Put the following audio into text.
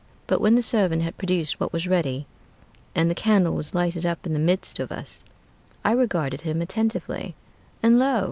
But when the servant had produced what was ready, And the candle was lighted up in the midst of us, I regarded him attentively, and lo!